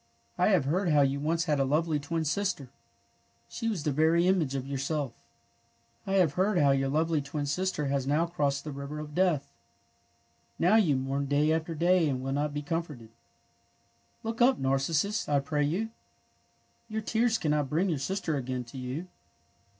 I have heard how you once had a lovely twin sister. She was the very image of yourself. '^ I have heard how your lovely twin sister has now crossed the river of Death. Now you mourn day after day and will not be com forted. '^ Look up, Narcissus, I pray you! Tour tears cannot bring your sister again to you.